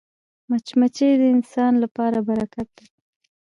مچمچۍ د انسان لپاره برکت ده